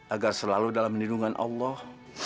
agar selalu dalam lindungan allah